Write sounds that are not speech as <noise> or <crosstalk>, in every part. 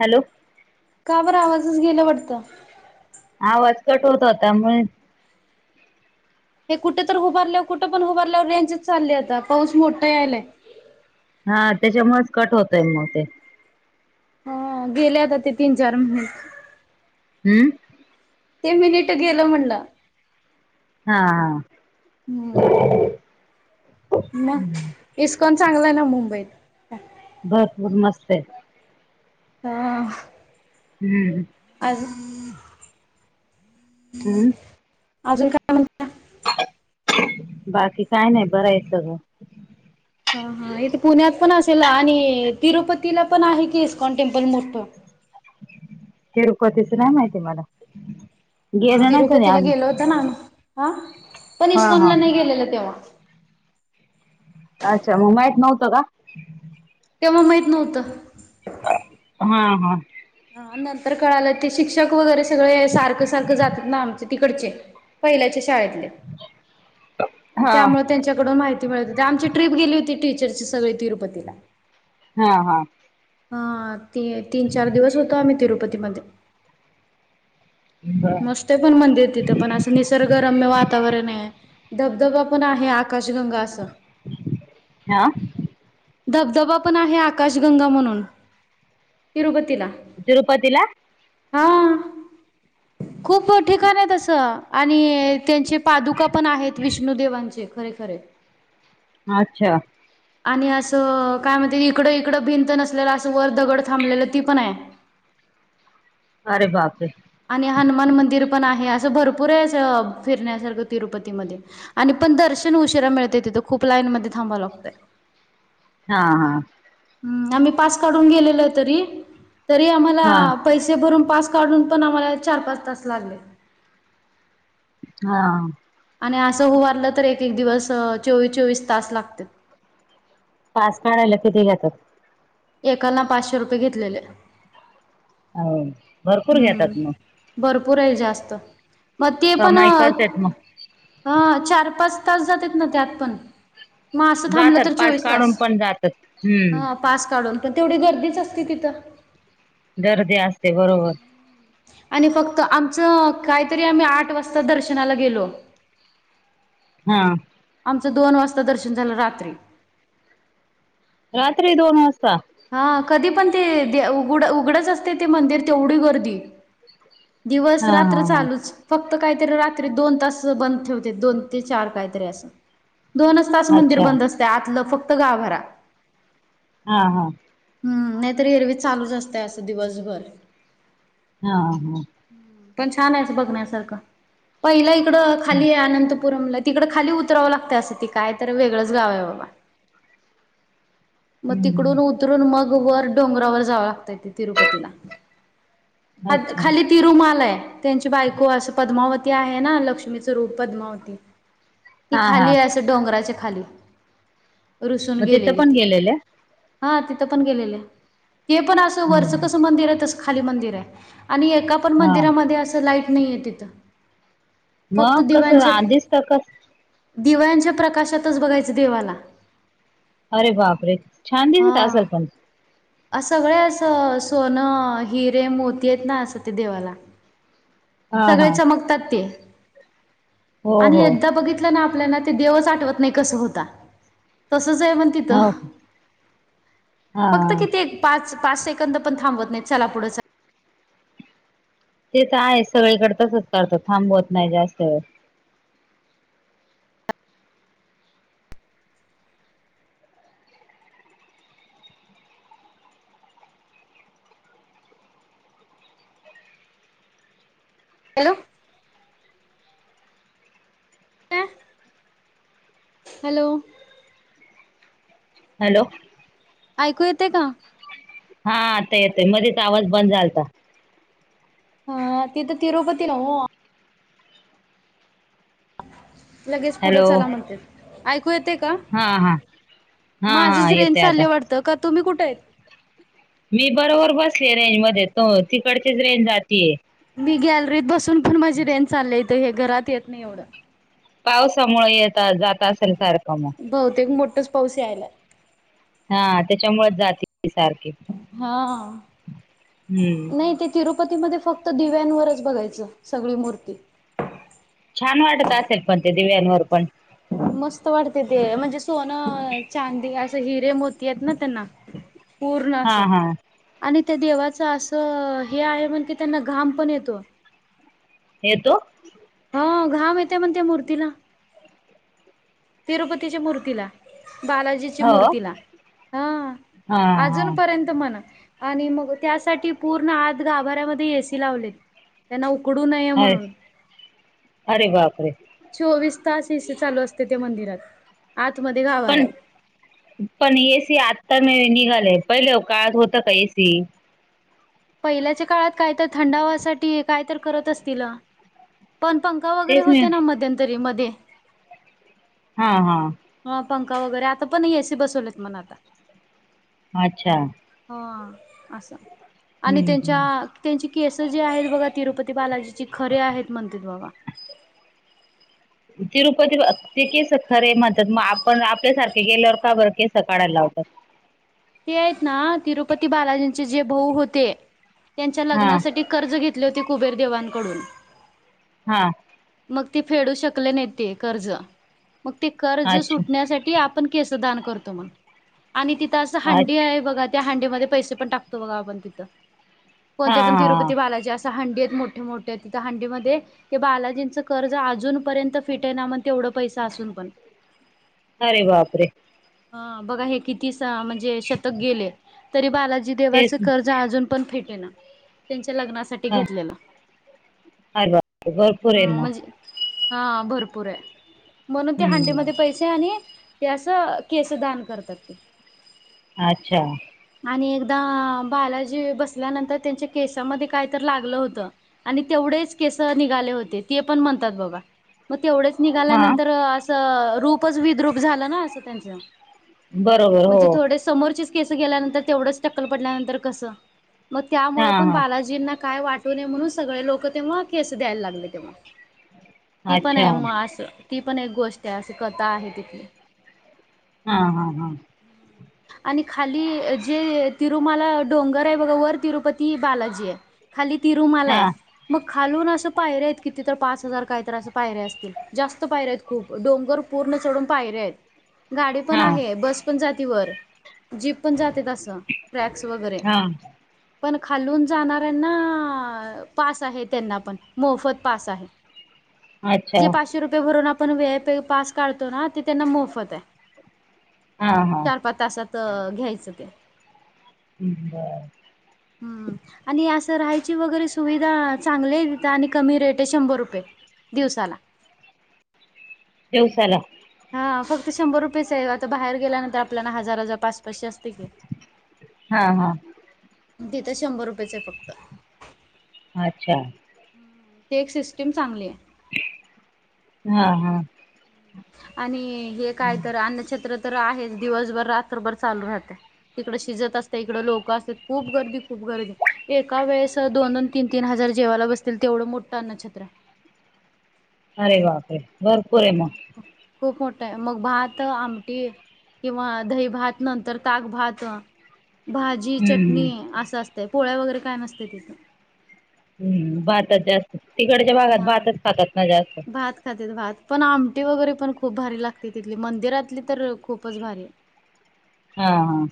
Hello का बरं आवाजच गेला वाटतं आवाज कट होत होता मन ते कुटतर उभारल्यावर कुट पण उभारल्यावर रेंजच चाल्ली आता पाऊस मोठा यायलाय हां तेज्यामुळच कट होतोय मग ते हां गेले आता ते तीन चार महिने हंम ते मिनिट गेलं म्हडलं हा हा हम्म मग इस्कॉन चांगलाय ना मुंबईत भरपूर मस्तए हां हम् आज <unintelligible> हम् आजून काय मनताय बाकी काय नाई बराय सगळं हा हा इत पुण्यात पण असेल आणि तिरुपतीला पण आहे कि इस्कॉन टेम्पल मोठं तिरुपतीच नाय माहिती मला हं गेलं नाही कधी तिरुपतीला गेलो आम्ही होत ना हा पण हा हा इस्कॉनला नाइ गेलेलो तेवा अच्छा मग माइत नव्हतं का तेवा माइत नव्हतं हं हां हं नंतर कळालं ते शिक्षक वगैरे सगळे सारक सारक जातात ना आमचे तिकडचे पहिल्याच्या शाळेतले म हा त्यामुळ त्यांच्याकडून माहिती मिळत हुती आमची ट्रीप गेली होती टीचरची सगळी तिरुपतीला हां हां हां ते तीन चार दिवस हुतो आम्ही तिरुपतीमदे बर मस्तए पण मंदिर तित पण असं निसर्गरम्य वातावरणए धबधबा पण आहे आकाशगंगा आसं हां धबधबा पण आहे आकाशगंगा म्हणून तिरुपतीला तिरुपतीला हां खूप ठिकाणाय तसं आणि त्यांचे पादुका पण आहेत विष्णुदेवांचे खरे खरे आच्छा आणि असं काय म्हणतात इकडं इकडं भिंत नसलेलं असं वर दगड थांबलेलं ती पणाय अरे बापरे. आणि हनुमान मंदिर पण आहे. असं भरपूर आहे अस फिरण्यासारक तिरुपतीमदे आणि पण दर्शन उशिरा मिळतय तित. खूप लाईन मदे थांबाव लागतंय. हा हा. ह् आमी पास काढून गेलेलो तरी तरी आमाला हा पैसे भरून पास काढून पण आम्हाला चार पाच तास लागले. हा. आणि असं हुबारलं तर एक एक दिवस चोवीस चोवीस तास लागत्यात. पास काढायला किती घेतात? एकाला पाचशे रुपये घेतलेले. हाव. हम्म भरपूराय जास्त म ते पण कमाई करतात मग अं चार पाच तास जातेत न त्यात पण. म असं थांबलं तर जातात पास चोवीस काढून तास पण जातात हम्म हं. पास काढून. पण तेवढी गर्दीच असते तिथं. गर्दी असते, बरोबर. आणि फक्त आमचं. कायतरी आम्ही आठ वाजता दर्शनाला गेलो. हा. आमचं दोन वाजता दर्शन झालं रात्री. रात्री दोन वाजता? हा कधी पण ते दे उघड उघडच असते ते मंदिर तेवढी गर्दी. दिवस हा हा रात्र हा चालूच. फक्त कायतरी रात्री दोन तास बंद ठेवते. दोन ते चार कायतरी असं, दोनच तास मंदिर अच्छा बंद असतयं आतलं फक्त गाभारा. हा हा. हम्म नाईतर एरवी चालूच असतय असं दिवसभर. हा हा. ह्म पण छाने असं बघण्यासारखं. पईला इकडं खालीय आ नंत- पुरमला तिकडे खाली उतरावं लागतं असं. ते कायतर वेगळंच गावय बाबा. म तिकडून हम्म उतरून मग वर डोंगरावर जावं लागतय ते तिरुपतीला. आद् अच्छा खाली तिरुमालाय त्यांची बायको असं पद्मावती आहे ना लक्ष्मीच रूप पद्मावती. ती हा हा खालीय असं डोंगराच्या खाली रुसून मग तिथं गेलेली पण ती. गेलेले हा तिथं पण गेलेल्या, ते पण असं वरच हम्म कसं मंदिराय तसं खाली मंदिराय् आणि एकापण हा मंदिरामध्ये असं लाईट नईये तिथ. म कसं आ दिसतं कस् दिव्यांच्या प्रकाशातच बघायचं देवाला. अरे बापरे. छान दिसत असेल पण हा. अस होय असं सोनं, हिरे, मोतीयत ना असं ते देवाला हा सगळे हा चमकतात ते हो अणि हो एकदा बघित -लना आपल्याला ते देवच आठवत नई कसं होता. तसचय म्हण तिथं. हो हा फक्त किती एक पाच पाच सेकंद पण थांबवत नईत चला पुढं च् ते त आयेच सगळीकडं तसंच करतात. थांबवत नाई जास्त वेळ. Hello <unintelligible> hello. हॅलो. ऐकू येते का? हा आता येतय मध्येच आवाज बंद झल्ता. हा तिथं तिरुपतीला हो लगेच पुढं हॅलो चला म्हणतेत, ऐकू येते का? हा हा हा हा माझीच रेंज येतोय आता चालली वाटतं, का तुम्ही कुठे आहे? मी बरोबर बसलीय रेंज मध्ये तो तिकडचीच रेंज जातीय. मी गॅलरीत बसून पण माझी रेंज चाललिय इथ हे घरात येत नाही एवढं. पाऊसामुळ येता जात असेल सारखं मग. बहुतेक मोठच पाऊस यायलाय. हा त्याच्यामुळेच जाते ती सारखी. हा हम्म नाही ते तिरुपतीमध्ये फक्त दिव्यांवरच बघायचं सगळी मूर्ती. छान वाटत असेल पण ते दिव्यांवर पण. मस्त वाटते ते म्हणजे सोनं, चांदी, असं हिरे, मोती आहेत ना त्यांना पूर्ण हा अस. हा आणि त्या देवाचं असं हे आहे म्हण की त्यांना घाम पण येतो. येतो हो घाम येते म्हणते मूर्तीला. तिरुपतीच्या मूर्तीला बाला जीची हो मूर्तीला हा, हा आजुन हा पर्यंत मणा आणि मग त्यासाठी पूर्ण आत गाभाऱ्यामध्ये ए सी लावलेत. त्यांना उकडू नये अरे म्हणून. अरे बापरे! चोवीस तास ऐसी चालू असते त्या मंदिरात, आतमध्ये पण गाभाऱ्यात. पण ए सी आत्ता निघाले, पहिले काळात होत का ए सी? पहिल्याच्या काळात काय तर थंडावासाठी काय तर करत असतील. पण पंखा वगैरे तेच मी होते ना मध्यंतरी मध्ये. हा हा ह पंखा वगैरे, आता पण ए सी बसवलेत म्हण आता. अच्छा हा अस आणि हम्म त्यांच्या हम्म त्यांची केस जी आहेत बघा, तिरुपती बालाजीची खरे आहेत म्हणतेत बाबा. <inaudible> तिरुपती ते केस खरे म्हणतात, मग आपण आपल्यासारखे गेल्यावर का बरं केस काढायला लावतात? ते आहेत ना तिरुपती बालाजींचे जे भाऊ होते त्यांच्या हा लग्नासाठी कर्ज घेतले होती कुबेर देवांकडून हा मग ते फेडू शकले नाही ते कर्ज मग ते कर्ज अच्छा सुटण्यासाठी आपण केस दान करतो मग आणि तिथं असं हंडी अच्छा आहे बघा त्या हंडी मध्ये पैसे पण टाकतो बघा आपण तिथ हा कोणत्या पण हा तिरुपती बालाजी अस हंडी आहेत मोठे मोठे तिथ हंडीमध्ये ते बालाजींचं कर्ज अजूनपर्यंत फिटे ना, म्हण तेवढं पैसा असून पण अरे बापरे! हा बघा हे किती सा म्हणजे शतक गेले तरी बालाजी देवाच तेच कर्ज जा अजून पण फिटे ना त्यांच्या लग्नासाठी ह घेतलेलं. अरे बापरे भरपूर आहे हम्म मग म्हणजे हा भरपूर आहे. म्हणून ते हम्म हांडीमध्ये पैसे आणि ते असं केस दान करतात ते अच्छा आणि एकदा बालाजी बसल्यानंतर त्यांच्या केसामध्ये काय तर लागलं होतं. आणि तेवढेच केसं निघाले होते ते पण म्हणतात बाबा म तेवढेच हा निघाल्यानंतर असं रूपच विद्रूप झालं ना असं त्यांच. बरोबर म्हणजे हो थोडे समोरचेच केस गेल्यानंतर तेवढंच टक्कल पडल्यानंतर कसं मग हा त्यामुळे पण हा बालाजींना काय वाट टू नये म्हणून सगळे लोकं तेव्हा केसं द्याय लागले तेव्हा ते पण अच्छा आहे म असं ती पण एक गोष्ट आहे अशी कथा आहे तिथली. हा हा हा. आणि खाली जे तिरुमाला डोंगर आहे बघा वर तिरुपती बालाजी आहे. खाली हा तिरूमलाय मग खालून असं पायऱ्या आहेत किती तर पाच हजार कायतर असं पायऱ्या असतील. जास्त पायऱ्या आहेत खूप डोंगर पूर्ण चढून पायऱ्या आहेत. गाडी पण हा आहे बस पण जाती वर. जीप पण जातेत असं ट्रॅक्स वगैरे. हा पण खालून जाणाऱ्यांना पास आहे त्यांना पण मोफत पास आहे. <inaudible> अच्छा जे पाचशे रुपये भरून आपण वी आय पी पास काढतो ना ते त्यांना मोफत आहे. हा हा चार-पाच तासात घ्यायचं ते. <unintelligible> हम्म. आणि असं राहायची वगैरे सुविधा चांगली आहे तिथं आणि कमी रेट आहे शंभर रुपये दिवसाला. दिवसाला हा फक्त शंभर रुपयेच आहे आता बाहेर गेल्यानंतर आपल्याना हजार हजार पाच-पाचशे असते की. हा हा. तिथ शंभर रुपयेचं आहे फक्त. अच्छा. ती एक सिस्टीम चांगली आहे. हा हा हा. आणि हे काय तर अन्नछत्र तर आहेच दिवसभर रात्रभर चालू राहते. तिकडं शिजत असते इकडं लोकं असतात खूप गर्दी खूप गर्दी. एका वेळेस दोन-दोन, तीन-तीन हजार जेवायला बसतील तेवढं मोठं अन्नछत्र आहे. अरे बापरे! भरपूर आहे म. खूप मोठा आहे मग भात, आमटी किंवा दही भात नंतर ताक भात भाजी, चटणी हम्म असं असतयं पोळ्या वगैरे काय नसतयं तिथं. हम्म भातच जास्त तिकडच्या भागात हा भातच खातात ना जास्त. भात खातेत भात पण आमटी वगैरे पण खूप भारी लागते तिथली मंदिरातली तर खूपच भारी. <inaudible> हा हा.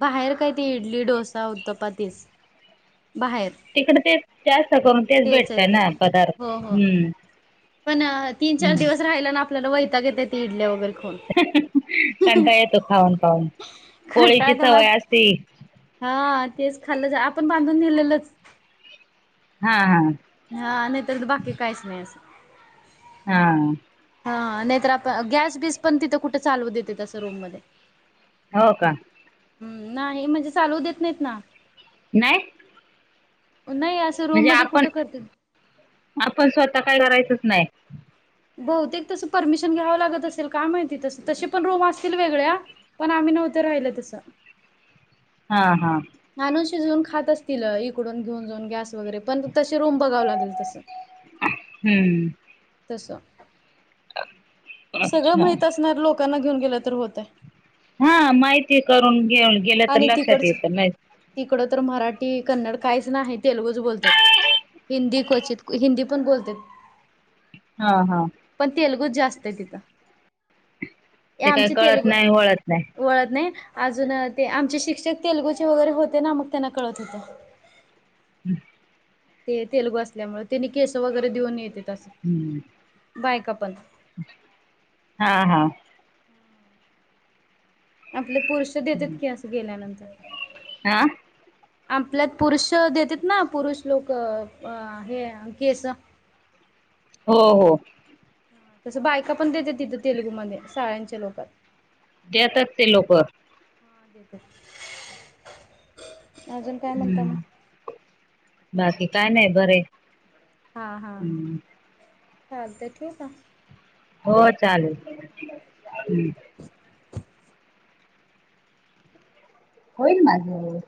बाहेर काय ते इडली, डोसा, उत्तापा तेच बाहेर. तिकडे तेच जास्त करून तेच आहे भेटतय ते ना पदार् हो हो पण तीन-चार हम्म दिवस राहिला ना आपल्याला वैताग येतंय ती इडल्या वगैरे खाऊन. कंटाळा येतो खाऊन-खाऊन पोळीची सवय असती. हां तेचं खाल्लं जातं आपणं बांधून दिलेलंच हां हां हां नाहींतरं बाकी कांहींच नाहीं असं हां. हां नाहींतरं आंप गॅस बीस पणं तिथं कुठं चालवूं देते तसं रूंम मध्यें. हो कां. हम्मं नाहीं म्हणजे चालवूं देतं नाहींत नां. नाहीं. नाहीं असं. रूम म्हणजे मध्ये कुठं करते आपणं आपणं स्वंतः कायं करायचंच नाहीं. बहुतेक तसं परमिशन घ्यावं लागतं असेल कां माहिती तसं तसे पणं रूंम असतील वेगळ्यां. पणं आम्हीं नव्हतं राहिलं तसं. हां हां. आणूंशी घेऊंन खातं असतील इकडूंन घेऊन जाऊंन गॅस वगैरें पणं तसे रूंम बघावं लागेल तसं. हम्मं. तसं. अं सगळं माहित असणारं लोकांना घेऊंन गेलं तरं होतं. हां माहिती करूंन घेऊंन. आणि तिकडचं तिकडं तरं मराठी कन्नड कांहींच नाहीं तेलुगू चं बोलतांत. हिन्दी क्वचित हिन्दी पणं बोलते. हां हां. पणं तेलगू चं जास्तं आहे तिथं ते काही आमचे कळत तेलगू. नाही वळत नाही वळतं नाहीं अजूंन ते आमचे शिक्षक तेलुगूचे वगैरें होते नां मगं त्यांना कळतं होते. हम्मं तेलुगू असल्यांमुळें त्यांनी केस वगैरें देऊंन येते असं. हम्मं. बायकां पणं. हां हां. आपले पुरुष देतांत की असं गेल्यांनंतर. हां. आपल्यांत पुरुष देतेत नां पुरुष लोकं हे केस. हो हो. हां तसं बायकां पणं देते तिथं तेलुगूमध्यें. शाळ्यांच्या लोकांत. देतांत ते लोकं. हां देतांत हम्मं बाकी कायं नाहीं बरे. हां हां हम्म चालां ठीऊं कां? हो चालेल. होईल माझं.